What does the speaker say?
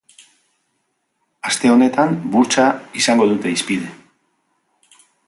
Aste honetan, burtsa izango dute hizpide.